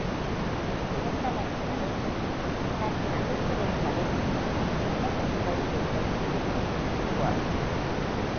இறந்தவன் மனைவி தன் நகைகளைக் கழற்றிப் பிணத்திற்கருகில் வைத்துவிட்டுத் திரும்புவாள்.